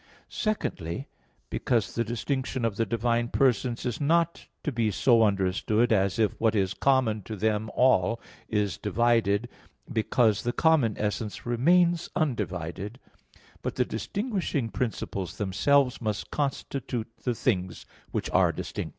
Secondly: because the distinction of the divine persons is not to be so understood as if what is common to them all is divided, because the common essence remains undivided; but the distinguishing principles themselves must constitute the things which are distinct.